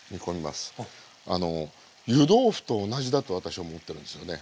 あの湯豆腐と同じだと私は思ってるんですよね。